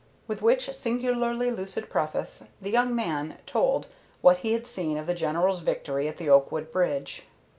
With which singularly lucid preface, the young man told what he had seen of the General's victory at the Oakwood bridge.